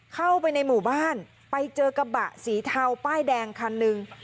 เข้าไปในหมู่บ้านไปเจอกระบะสีเทาป้ายแดงคันหนึ่ง